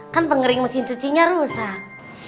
kan pengering mesin cucinya rusak